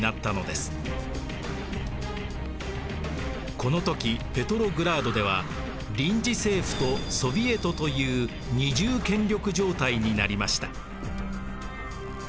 この時ペトログラードでは臨時政府とソヴィエトという二重権力状態になりました。